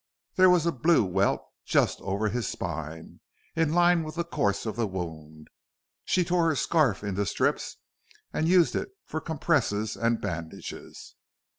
There was a blue welt just over his spine, in line with the course of the wound. She tore her scarf into strips and used it for compresses and bandages.